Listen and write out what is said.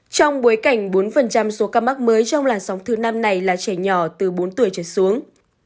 trong bối cảnh bốn số ca mắc mới trong làn sóng thứ năm này là trẻ nhỏ từ bốn tuổi trở xuống